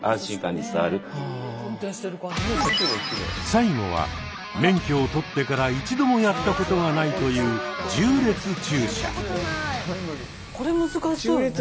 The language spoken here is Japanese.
最後は免許を取ってから一度もやったことがないという「縦列駐車」。